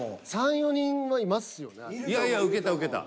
いやいやウケたウケた。